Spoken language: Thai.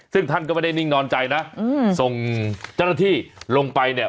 ซึ่งท่านก็ไม่ได้นิ่งนอนใจนะส่งเจ้าหน้าที่ลงไปเนี่ย